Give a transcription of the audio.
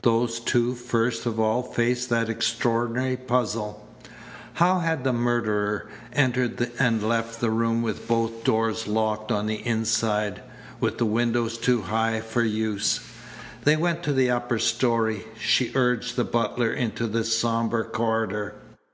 Those two first of all faced that extraordinary puzzle. How had the murderer entered and left the room with both doors locked on the inside, with the windows too high for use? They went to the upper story. She urged the butler into the sombre corridor.